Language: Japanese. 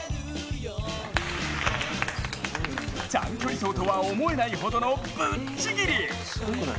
短距離走とは思えないほどのぶっちぎり！